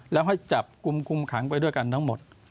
แล้วให้จับกลุ่มคุมขังไปด้วยกันทั้งหมด